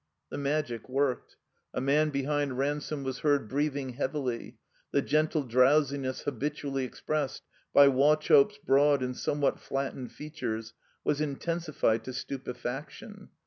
The magic worked. A man behind Ransome was heard breathing heavily. The gentle drowsiness ha bitually expressed by Wauchope's broad and some what flattened featiu'es was intensified to stupe faction.